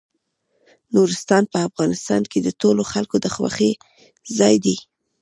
نورستان په افغانستان کې د ټولو خلکو د خوښې ځای دی.